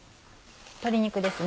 鶏肉ですね。